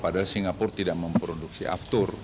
padahal singapura tidak memproduksi aftur